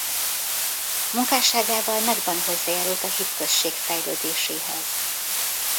Munkásságával nagyban hozzájárult a hitközség fejlődéséhez.